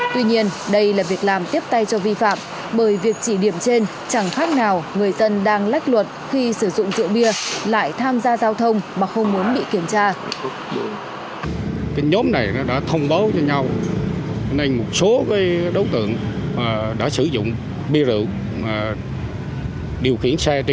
tuy nhiên đây là việc làm tiếp tay cho vi phạm bởi việc chỉ điểm trên chẳng khác nào người dân đang lách luật khi sử dụng rượu bia lại tham gia giao thông mà không muốn bị kiểm tra